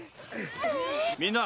みんな！